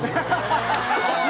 ハハハハ！